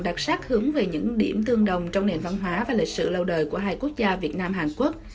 đặc sắc hướng về những điểm tương đồng trong nền văn hóa và lịch sử lâu đời của hai quốc gia việt nam hàn quốc